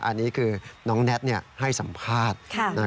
อันนี้คือน้องแน็ตให้สัมภาษณ์